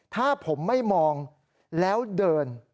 ถ้าผมไม่มองแล้วเดิน